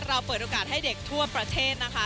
เปิดโอกาสให้เด็กทั่วประเทศนะคะ